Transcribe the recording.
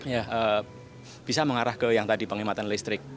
ya bisa mengarah ke yang tadi penghematan listrik